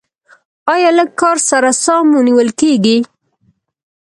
ایا لږ کار سره ساه مو نیول کیږي؟